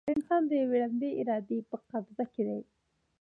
انسان د یوې ړندې ارادې په قبضه کې دی.